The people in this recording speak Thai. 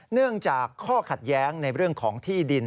เนื่องจากข้อขัดแย้งในเรื่องของที่ดิน